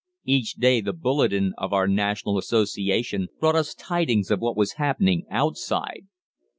"Each day the 'Bulletin' of our national association brought us tidings of what was happening outside.